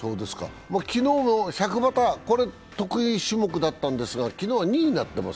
昨日の１００バタ、得意種目だったんですが昨日は２位になっています。